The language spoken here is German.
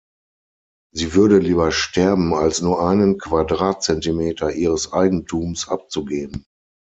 Sie würde lieber sterben, als nur einen Quadratzentimeter ihres Eigentums abzugeben.